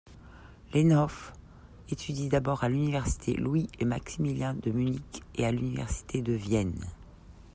Lehnhoff étudie d’abord à l'Université Louis-et-Maximilien de Munich et à l'Université de Vienne.